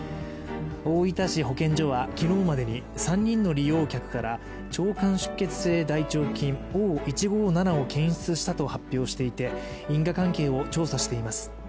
大分市保健所は昨日までに３人の利用客から腸管出血性大腸菌＝Ｏ１５７を検出したと発表していて因果関係を調査しています。